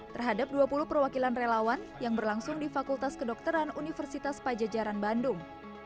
terhadap dua puluh perwakilan relawan yang berlangsung di fakultas kedokteran universitas pajajaran bandung